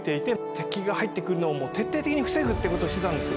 敵が入ってくるのを徹底的に防ぐっていうことをしてたんです。